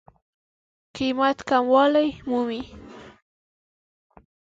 قېمت کموالی مومي.